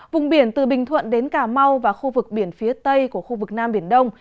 vùng biển từ bình thuận đến cà mau và khu vực biển phía tây của khu vực nam biển đông